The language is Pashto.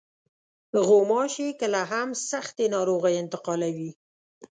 غوماشې کله هم سختې ناروغۍ انتقالوي.